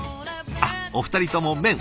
あっお二人とも麺。